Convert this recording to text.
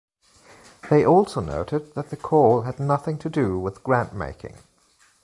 They also noted that the call had nothing to do with grantmaking.